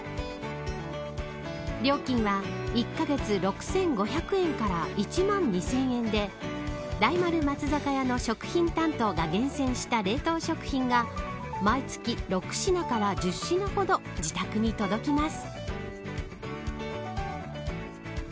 料金は１カ月６５００円から１万２０００円で大丸松坂屋の食品担当が厳選した冷凍食品が毎月、６品から１０品ほど自宅に届きます。